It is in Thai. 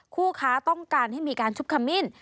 คู่ค้าต้องการให้มีการชุบขมิ้น